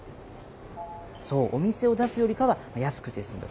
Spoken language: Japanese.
そう、お店を出すよりかは安くて済む。